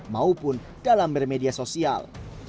maupun dalam bermedia sosial